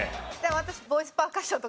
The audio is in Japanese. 私。